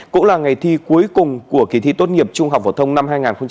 cũng là ngày thi cuối cùng của kỳ thi tốt nghiệp trung học phổ thông năm hai nghìn hai mươi